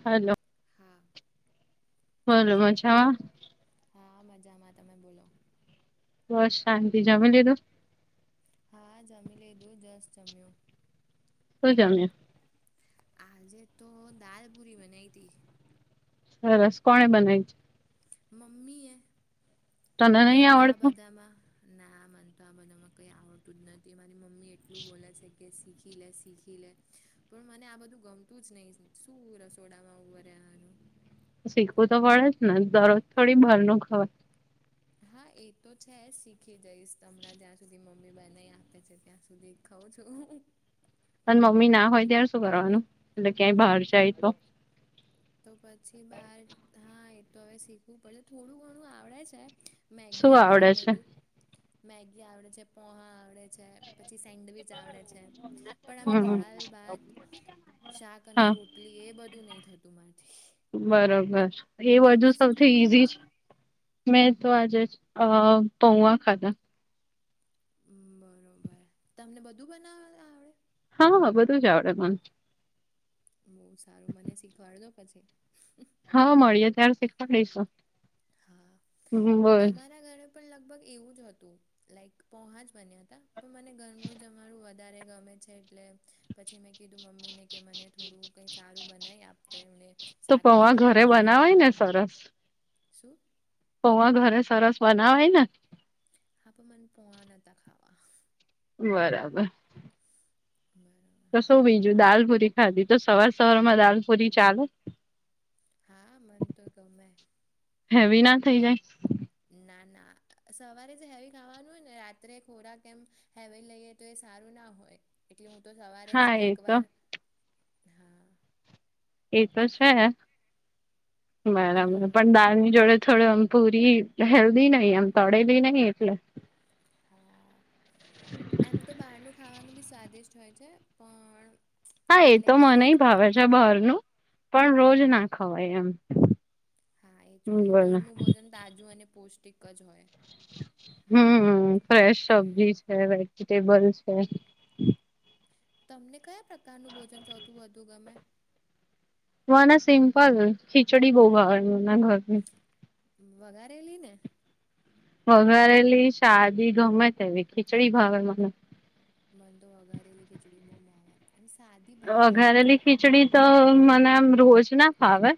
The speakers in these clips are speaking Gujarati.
હલો હા કેમ બોલો છો મજામાં હા મજામાં તમે બોલો બસ શાંતિ જમી લીધું હા જમી લીધું દું જસ્ટ જમ્યુ શું જમ્યુ આજે તો દાલ પૂરી બનાવી હતી સરસ કોણે બનાય તી. મમ્મી એ તને નહી મન તો આ આવડતું બધામાં ના મને તો આ બધામાં કઈ આવડતું જ નથી મારી મમ્મી એટલું બોલે સે. શીખી લે શીખી લે પણ મને આ બધું ગમતું જ નહી શું રસોડામાં રહેવાનું શીખવું તો પડે જ ને દરરોજ થોડી બાર ન ખવ હા એ તો છે જ શીખી જઈશ તમણાં જ્યાં સુધી મમ્મી બ ન આપે છે ત્યાં સુધી ખઉ છું. પણ મમ્મી ના હોય ત્યારે શું કરવાનું એટલે ક્યાંય બહાર જાય તો? તો પછી બાર ધાય હવે શીખવું પડશે થોડું ઘણું આવડે છે. મેગી શું અને એ આવડે છે બધું મેગી આવડે છે પોહા આવડે પછી સેન્ડવીચ આવડે છે પણ આમ હમ ધાલ બાત શાક અને હા રોટલી એ બધું નહી થતું મારથી બરોબર એ બધુ તમે શું સૌથી ખાધું આજ ઈઝી છે. મેં તો આજે અ પૌવા ખાધા. બરોબર તમને બધું બનાવ આવડે.? હા બધું જ આવડે મને. બહુ સારું મને શીખવાડજો પછી. હા મળીએ ત્યારે શીખવા દઈશું હા અમારા ઘરે પણ લગભગ એવું જ હતું લાઈક પોહા જ બન્યા હતા પણ મને ઘરનું જમાણું વધારે ગમે છે એટલે પછી મેં કીધું મમ્મીને કે મને થોડું કઈ સારું બનાવી આપતા એમને તો શાક અને પૌવા ઘરે રોટલી બનાઈ બનાવાય આપ ને સરસ શું? પોવા ઘરે સરસ બનાવાય ને. હા તો મન પોવા નો હતા ખાવા. બરાબર! બરાબર! તો શું હા બીજું દાલપુરી ખાધી તો સવાર સવાર માં દાલપુરી ચાલે.? હા મન તો ગમે. હેવી ના થઈ જાય.? ના ના સવારે જ હેવી ખાવાનું હોય ને રાત્રે ખોરાક એમ હેવી લઈએ તો એ સારું ના હોય એટલે હું તો સવારે જ હા એ તો એકવાર હા એ તો છે બરાબર હમ પણ દળ ની જોડે થોડું આમ પૂરી હેલ્ધી નહ એમ તળેલી નહીિ એટલે હા એમ તો બારનું ખાવાનું બી સ્વાદિષ્ટ હોય છે પણ હા એ એટલે તો ઘરે મને જ ભાવે છે બહારનું પણ રોજ હમ ના ખવાય એમ. હા એ જો છે બોલ ઘરનું ભોજન તાજું અને પૌષ્ટિક જ હોય. હમ ફ્રેશ હમ. સબ્જી છે, વેજીિટેબલ છે. તમને કયા પ્રકારનું ભોજન સૌથી વધું ગમે.? માને સિમ્પલ ખીચડી બહુ ભાવે ઘરની. વઘારેલી ને? વઘારેલી શાદી ગમે તે એવી ખીચડી ભાવે મને-' મંદો વગારેલી ખીચડી બમાં ભાવેન અને સાદી? વઘારેલી ખીચડી તો મને આમ રોજ ના ફાવે-'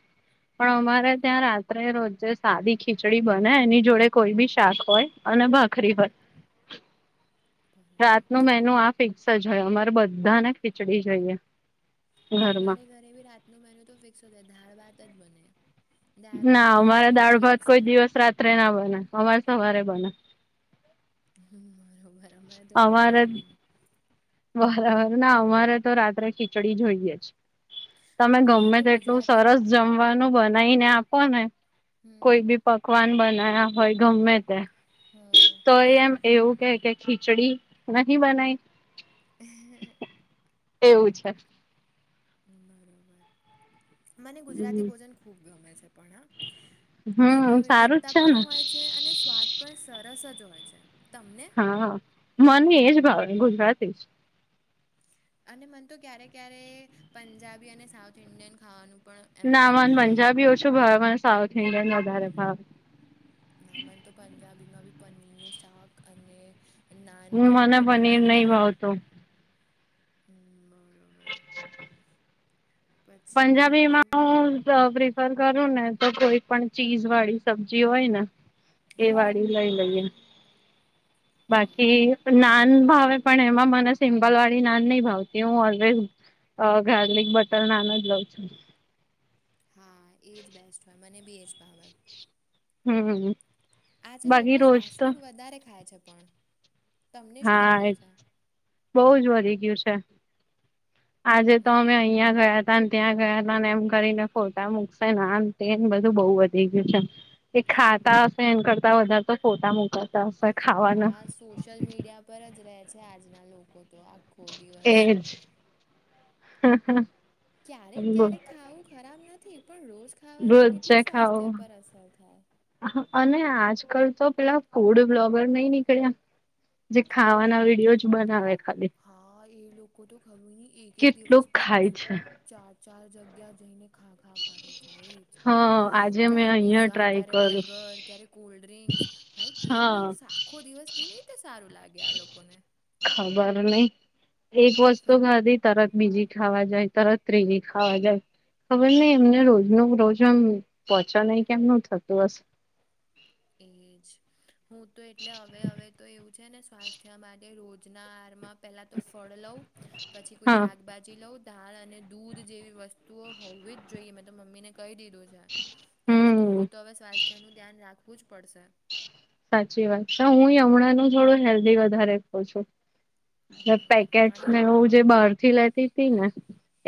પણ અમારે હમ. ત્યાં રાત્રે રોજે સાદી ખીચડી બને એની જોડે કોઈ બી શાક હોય અને ભાખરી હોય. બરોબર રાતનું મેન આ ફિક્સ જ હોય અમારે બધાને ખીચડી જોઈએ. ઘરમાં અમારે ઘરે ભી રાતનું મેન્યુ તો ફિક્સ હોશે ધાળ ભાત જ બને. દાળ ના ભાત અમારા અને દાળ એક ભાત કોઈ શાક દિવસ રાત્રે ના બને અમારે સવારે બને. હમ બરોબર અમારે તો રાત્રે જ અમારે બને. બરાબર ના અમારે તો રાત્રે ખીચડી જોઈએે જ. તમે મને ગમે તો એટલું ગુજરાતી સરસ જમવાનું બનાવીને આપો ને હમ કોઈ બી પકવાન બના્યા હોય ગમે હમ. તો એમ એવું કે કે ખીચડી નથીહી બનાયી? હ એવું છે? [unintelligible] બરોબર મને ગુજરાતી ભોજન ખૂબ ગમે છે પણ હા. હમ તેમાં સારું જ વિવિધતા છે પણ ને હોય છે અને સ્વાદ પણ સરસ જ હોય છે. તમને.? હા મને એજ ભાવ ગુજરાતી જ. અને મને તો ક્યારેક ક્યારે પંજાબી અને સાઉથ ઇન્ડિયન ખાવાનું પણ એમ ના મન મને થાય પંજાબી ઓછો ભાવને સાઉથ ઇન્ડિયન વધારે ભાવે. ના મને તો પંજાબી માં બી પનીરનું શાક અને નાન તો મને એટલું ભાવે પનીર ને નહી ક્યારે કે ભાવતું હ બરોબર પછી તમ પંજાબીમાં હ ર કરું ને તો કોઈ પણ ચીજ વાળી સબ્જી હોય ને? એ હા વાળી લઈ લઈએ, બાકી બરોબર નાન ભાવે પણ એમાં મને સિમ્પલ વાળી નાન નહી ભાવતી હું ઓલવેઝ ગાર્લિક બટર નાન જ લ હા એ જ બેસ્ટ હોય મને બી એ જ ભાવે હમ હ આજે લોકો ફાસ્ટ ફૂડ વધારે ખાય છે પણ તમને શું હા લાગે એ છે બહજ વધી ગયું છે આજે તો અમે હમ અહં ગયા હતા ત્યાં ગયા હતાને એમ કરીને ફોટા મુકશે તેને બધું બહુ વધી ગયું છે એ ખાતા હા હશે એ કરતા વધારે તો ફોટા મુકાતા હશે ખાવાના હા સોશિયલ મીડિયા પર જ રહે છે આજના લોકો તો આ એજ હ ક્યારેક ક્યારેક ખાવું ખરાબ નથી પણ રોજ ખાવાથી રોજ જે કેટલું ખાઓ સ્વાસ્થ્ય પર અસર થાય અને આજકાલ તો પેલા ફૂડ બ્લોગર નઈ નીકળ્યા જે ખાવાના હા વિડીિયો જ બનાવે ખાલી હા એ લોકો તો ખર ન એક એક દિવસ કેટલું પણ ખાય છે. ચાર ચાર જગ્યા જઈને ખા ખા કરે છે એજ હા આજે મેં ક્યારે અહિયાં પીઝા ટ્રાય ક્યારે કરું બર્ગર ક્યારે કોલ્ડ ડ્રિંકસ ભાઈ કેવું હા આખો દિવસ કેવી રીતે સારું લાગે આ લોકોને ખબર નહી એક વસ્તુ ખાધી તરત બીજી ખાવા જાય તરત ત્રીજી ખાવા જાય ખબર નહી એમને રોજ ન રોજ આમ પહોંચા નહી કે એમનું થતું હશે એજ હું તો એટલે હવે હવે તો એવું છે ને સ્વાસ્થ્ય માટે એ રોજના આરમાં પેલા તો ફળ લઉ પછી કોઈ હા શાકભાજી લઉ દાળ અને દૂધ જેવી વસ્તુઓ હોવી જ જોઈએ મેં તો મમ્મીને કહી દીધી કેમકે હમ થોડું તો હવે સ્વાસ્થ્ય નું ધ્યાન રાખવું જ પડશે સાચી વાત હું હયમણાનું થોડું હેલ્ધી વધારે કઉ છું બરોબર પેકેટ પાણી ને એું જે બહાર થી લેતી હતી ને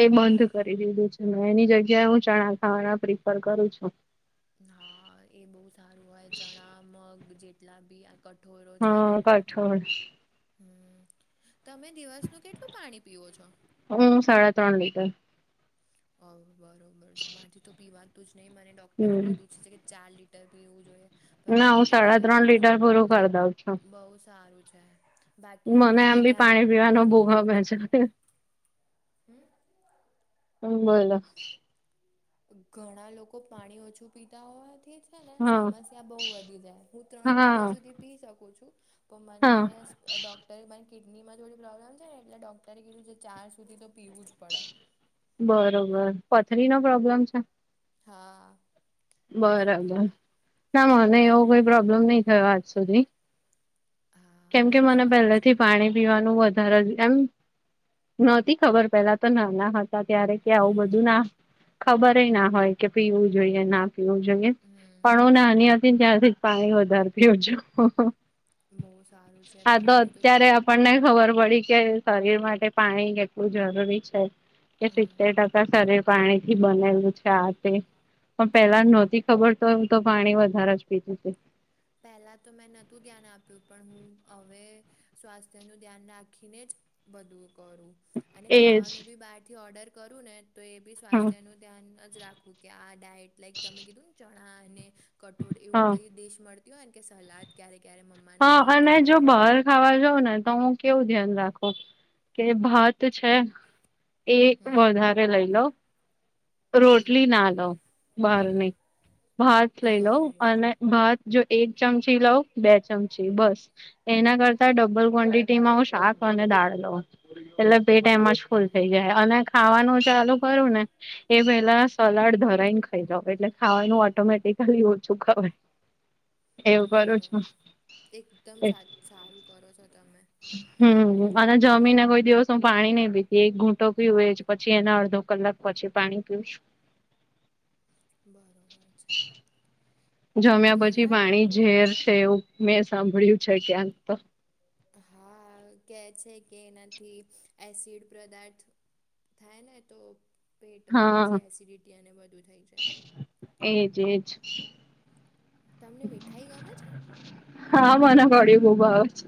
એ હા બંધ કરી [unintelligible] મેં એની જગ્યાએ હું ચણા ખાવાના પ્રિફર કરું છું હા એ બહુ સારું હોય ચણા મગ જેટલા બી કઠોરો છે ને હા કઠોળ હમ તમે દિવસનું કેટલું પાણી પીવ છો હું સાડા ત્રણ લીટર ઓ બરોબર છે માથી તો પીવાતું જ નહીિ મને ડોક્ટરે હમ કીધું છે કે ચાર લીટર ટર પીવું જોઈએ પણ ના હું માથી તો સાડા ત્રણ પીવાતું જ લીટર પૂરું કરી દઉં છું બઉુ સારું છે બાકી મને આમ અમારે ભી ત્યાં પાણી પીવાનો બોમે છે હમ્મ હ મળલા ઘણા લોકો પાણી ઓછું પીતા હોવાથી જ ને હા સમસ્યા બહઉ વધી જાય હું ત્રણ લીટર હા સુધી પી શકું છું તો મને હા ડૉક્ટરે બ કિડની માં થોડી પ્રોબ્લેમ છે ને એટલે ડોક્ટરે કીધું છે કે ચાર સુધી તો પીવું જ પડે બરોબર પથરી નો પ્રોબ્લેમ છે હા બરાબર ના મને એવો કોઈ પ્રોબ્લેમ નહીં થયો આજ સુધી હા કેમ બહુ કે મને સારું છે પહેલેથી પાણી પીવાનું વધારે એમ નતી ખબર પેલા તો નાના હતા ત્યારે કે આવું હમ બધું ના ખબર ના હોય કે પીવું જોઈએ ના પીવું જોઈએ હમ પણ હું નાની હતીને ત્યાંરથી જ પાણી વધારે પીઉ છું બહુ સારું છે આ પાણીનુંું તો અત્યારે આપણને ખબર પડી કે શરીર માટે પાણી કેટલું જરૂરી છે કે હમ સિતતેર ટકા શરીર પાણી થી બનાલું છે આ તે પણ પેલા નહોતી ખબર તો એવું તો પાણી વધારે જ પીતું છે પહેલા તો મેં નહતું ધ્યાન આપ્યું પણ હું હવે સ્વાસ્થ્ય નું ધ્યાન રાખીને જ બધું કરું અને એજ ખાવાનું બી બહારથી ઓર્ડર કરું ને તો એ બી હા સ્વાસ્થ્યનું. ધ્યાન જ રાખું કે આ ડાયટ લાઈક તમે કીધું ને ચણા અને- કઠોળ એવું હા કઈ દેશ મળતી હોય ને કે સલાદ ક્યારે ક્યારે મમવા ના હા હોય તો અને જો બહાર ખાવા જાવ ને તો હું કેવું ધ્યાન રાખું કે ભાત છે એ હમ વધારે લઈ લો રોટલી ના લો બહારની ભાત લઈ લઉં બરોબર અને ભાત જો એક ચમચી લાવ બે ચમચી બસ એના કરતા ડબલ ક્વોન્ટિટી માં હું શાક અને દાળ લઉ એટલે બે ટાઈમમાં જ ફૂલ થઇ જાય અને ખાવાનું ચાલુ કરું ને એ પેલા સલાડ ધરાઈને ખાઈ જાવ એટલે ખાવાનું ઓટોમેટિકલી ઓછું ખવાય એવું કરું બરોબર છું. એકદમ સા સારું કરો છો તમે હમ અને જમી ના કોઈ દિવસ- શું પાણી નહી પીતી એક ઘૂંટો પીવ એ પછી એના અડધો કલાક પછી પાણી પીવશું. બરોબર છે. જમ્યા પછી ઘણા પાણી લોકો ઝેર છે, એવું મેં સાંભળ્યું છે ક્યાંક તો હા કે છે કે એનાથી એસિડ પદાર્થ- થાય ને તો- પેટમાં પછી હા એસિડિટી એને વધુ થઈ જાય. એજ એજ- તમને મીઠાઈ ગમે છે? હા મને ગળ્યું બહુ ભાવે છે.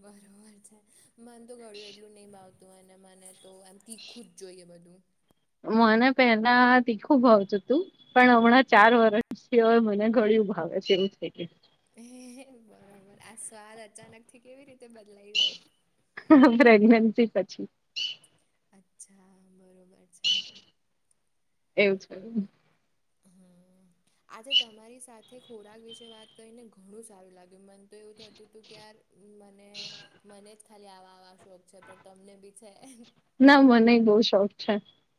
બરોબર છ મન તો ગળ્યું એટલું નહીં ભાવ તો એ મને તો એમ તીખું જ જોઈએ બધું- મને પેલા તીખું ભાવતું હતું. પણ હમણાં ચાર વર્ષથી હવે મને ગળ્યું ભાવે છે એવું થઈ ગયું હે! બરોબર. આ સ્વાદ અચાનક થી કેવી રીતે બદલાઈ ગયો? પ્રેગ્નેન્સી પછી અચ્છા બરોબર છે. એવું છે હમ [inaudible] આજે તમારી સાથે ખોરાક વિશે વાત કરીને ઘણું સારું લાગ્યું. મન તો એવું થતું હતું કે યાર મને મને જ ખાલી આવા આવા શોખ છે, પણ તમને બી છે. ના મનેય બહુ શોખ છે.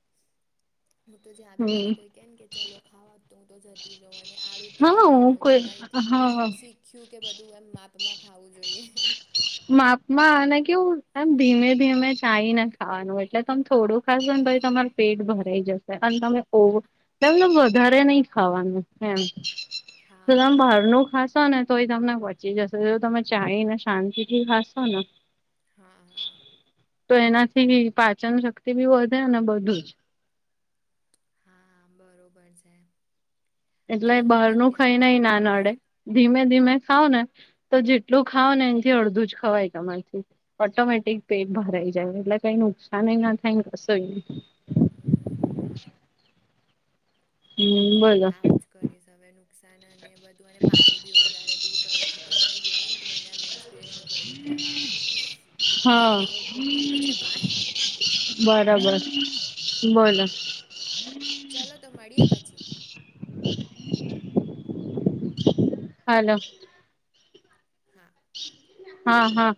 [inaudible] હું તો જ્યાં હમ બી મને કોઈ કેને કે ચલો ખાવા તું તો જતી જ રહું. અને આડું તેડું ખાઈ લઉં. તમારી હાહા શીખ્યું કે બધું એમ માપમાં ખાવું જોઈએ. માપ માં અને કેવું એમ ધીમે ધીમે ચાઈને ખાવાનું એટલે તમે થોડું ખાશો ને પછી તમારે પેટ ભરાઈ જશે. અને તમે ઓવ [unintelligible] વધારે નહી ખાવાનું એમ. તો તમે હા બહારનું ખાશો ને તોય તમને પચી જશે. જો તમે ચાઈને શાંતિ થી ખાસો ન. હા હા તો એનાથી પાચન શક્તિ બી વધે ને બધું જ હા બરોબર છે. એટલે હવે હું બહાર બી નું ધ્યાન ખાઈને ના રાખીશ નડે. ધીમે ધીમે ખાવ ને- તો જેટલું ખાાવ ને એનથી અડધું જ ખવાય તમારથી- ઓટોમેટિક પેટ ભરાઈ જાય. એટલે કઈ નુકસાન ના થાયને કશું બરોબર હમ બોલ આવું જ કરીશ હવે ન. નુકસાન અને બધું અને પાણી બી વધારે પીસ હવેથી તમને જોયું ને તો મને આમ ઈનસ્પિરેશન મળી કે હા કે, હા લોકો પીવે છે પાણી. બરાબર. બોલો બરોબર ચલોો તો મળીએ પછી હાલો હા હા હા-